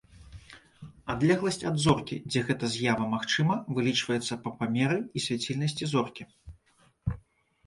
Адлегласць ад зоркі, дзе гэта з'ява магчыма, вылічваецца па памеры і свяцільнасці зоркі.